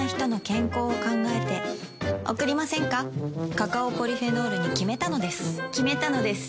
カカオポリフェノールに決めたのです決めたのです。